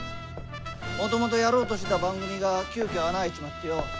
もともとやろうとしてた番組が急きょ穴開いちまってよ。